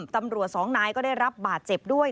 ตำรวจสองนายก็ได้รับบาดเจ็บด้วย